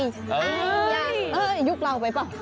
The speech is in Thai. ยายยุคเราไปเปล่า